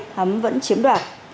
thắm vẫn chiếm đoạt